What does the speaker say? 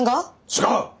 違う！